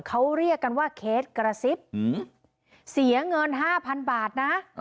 เขาเรียกกันว่าเคสกระซิบเสียเงิน๕๐๐๐บาทนะ